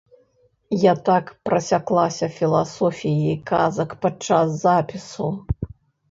Я так прасяклася філасофіяй казак падчас запісу!!!